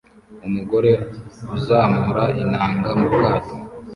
Umugore uzamura inanga mu bwato